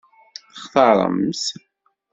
Textaṛem-t?